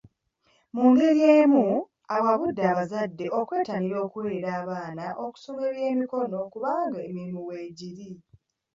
Mu ngeri y'emu, awabudde abazadde okwettanira okuweerera abaana okusoma eby'emikono kubanga emirimu weegiri.